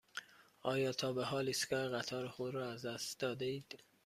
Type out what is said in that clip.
آیا تا به حال ایستگاه قطار خود را از دست داده ای؟